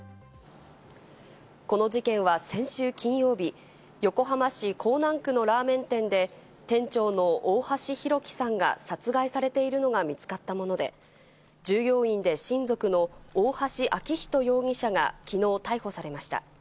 この事件は先週金曜日、横浜市港南区のラーメン店で店長の大橋弘輝さんが殺害されているのが見つかったもので、従業員で親族の大橋昭仁容疑者がきのう逮捕されました。